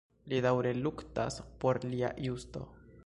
Li daŭre luktas por lia justo.